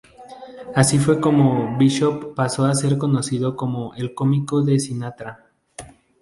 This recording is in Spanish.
Fue así como Bishop pasó a ser conocido como el cómico de Sinatra.